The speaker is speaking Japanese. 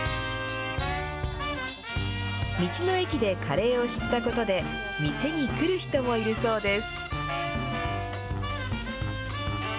道の駅でカレーを知ったことで、店に来る人もいるそうです。